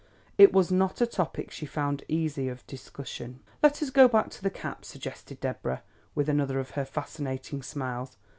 It was not a topic she found easy of discussion. "Let us go back to the cap," suggested Deborah, with another of her fascinating smiles.